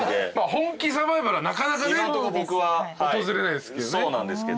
本気サバイバルはなかなかね訪れないですけどね。